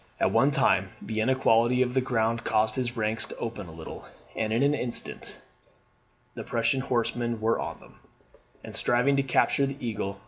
At one time the inequality of the ground caused his ranks to open a little; and in an instant the Prussian horseman were on them, and striving to capture the eagle.